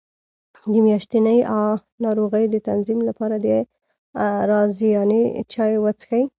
د میاشتنۍ ناروغۍ د تنظیم لپاره د رازیانې چای وڅښئ